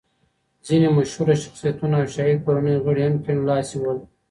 ځینې مشهوره شخصیتونه او شاهي کورنۍ غړي هم کیڼ لاسي ول.